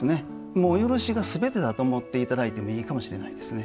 もう漆が全てだと思って頂いてもいいかもしれないですね。